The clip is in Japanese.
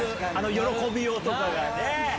喜びようとかがね。